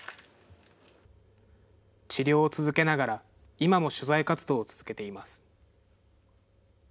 治療を続けながら、今も取材活動を続けています。